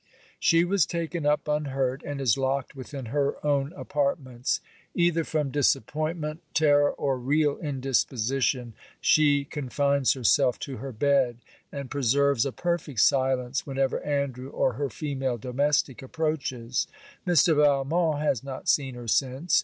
She was taken up unhurt; and is locked within her own apartments. Either from disappointment, terror, or real indisposition, she confines herself to her bed, and preserves a perfect silence whenever Andrew or her female domestic approaches. Mr. Valmont has not seen her since.